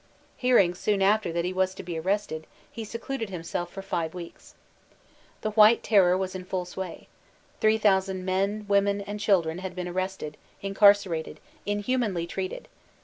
Hearing soon after that he was to be ar rested, he secluded himself for five weeks. The "White Terror'* was in full sway; 3.000 men, women, and chil dren had been arrested, incarcerated, inhumanly treated.